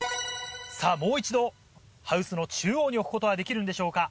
さぁもう一度ハウスの中央に置くことはできるんでしょうか。